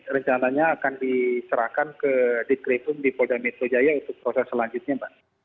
rencananya akan diserahkan ke dikripum di polda metro jaya untuk proses selanjutnya mbak